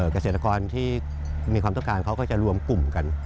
เกษตรกรที่มีความต้องการเขาก็จะรวมกลุ่มกัน